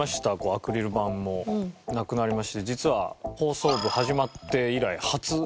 アクリル板もなくなりまして実は『放送部』始まって以来初ですね